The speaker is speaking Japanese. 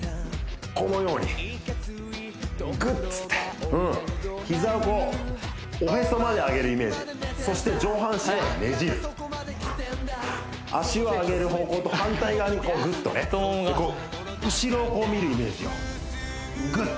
このようにグッつって膝をおへそまで上げるイメージそして上半身はねじる脚を上げる方向と反対側にグッとね後ろを見るイメージよグッ